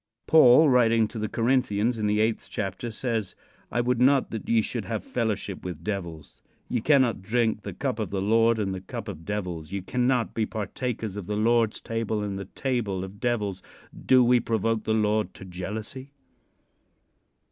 Paul, writing to the Corinthians, in the eighth chapter says; "I would not that ye should have fellowship with devils. Ye cannot drink the cup of the Lord and the cup of devils. Ye cannot be partakers of the Lord's table and the table of devils. Do we provoke the Lord to jealousy?"